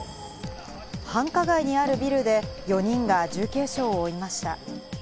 繁華街にあるビルで４人が重軽傷を負いました。